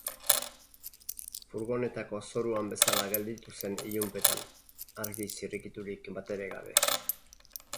Furgonetako zoruan bezala gelditu zen ilunpetan, argi zirrikiturik batere gabe.